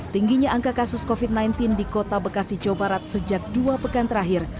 tingginya angka kasus covid sembilan belas di kota bekasi jawa barat sejak dua pekan terakhir